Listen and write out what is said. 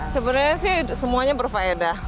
sebenarnya sih semuanya berfaedah